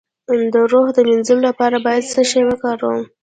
د روح د مینځلو لپاره باید څه شی وکاروم؟